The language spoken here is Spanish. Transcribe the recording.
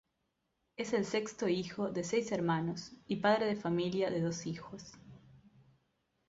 Es el sexto hijo de seis hermanos y padre de familia de dos hijos.